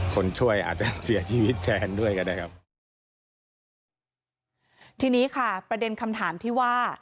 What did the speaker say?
คนช่วยอาจจะเสียชีวิตแทนด้วยก็ได้ครับทีนี้ค่ะประเด็นคำถามที่ว่า